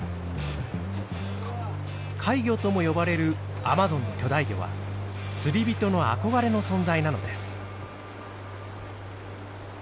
「怪魚」とも呼ばれるアマゾンの巨大魚は釣り人の憧れの存在なのです。